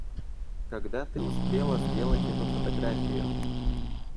Когда ты успела сделать эту фотографию?